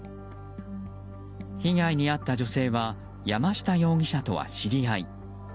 被害に遭った女性は山下容疑者とは知り合い。